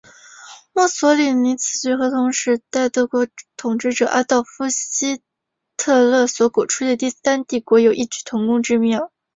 墨索里尼此举和同时代德国统治者阿道夫希特勒所鼓吹的第三帝国有异曲同工之妙。